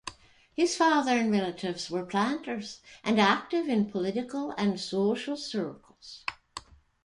His father and relatives were planters and active in political and social circles.